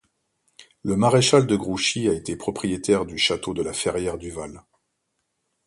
Le maréchal de Grouchy a été propriétaire du château de La Ferrière Duval.